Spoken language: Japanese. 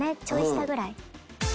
ちょい下ぐらい。